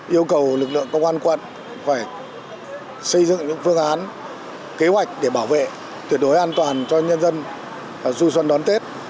yêu cầu lực lượng công an quận phải xây dựng những phương án kế hoạch để bảo vệ tuyệt đối an toàn cho nhân dân du xuân đón tết